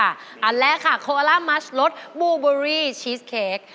อันแรกค่ะโคอล่ามัสรสบูเบอรี่ชีสเค้ก